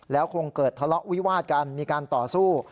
แล้วคงเกิดทะเลาะวิวาดกันมีการต่อสู้